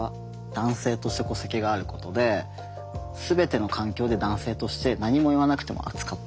男性として戸籍があることで全ての環境で男性として何も言わなくても扱ってくれる。